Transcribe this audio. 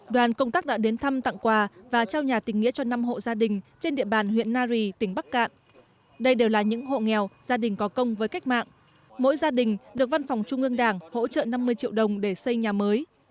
đoàn công tác đã đến thăm tặng quà và trao nhà tỉnh nghĩa cho năm hộ gia đình trên địa bàn huyện nari tỉnh bắc cạn đây đều là những hộ nghèo gia đình có công với cách mạng mỗi gia đình được văn phòng trung ương đảng hỗ trợ năm mươi triệu đồng để xây nhà mới